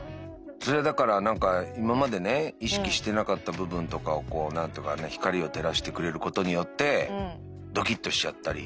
それはだから何か今までね意識してなかった部分とかをこうなんとかね光を照らしてくれることによってドキッとしちゃったり。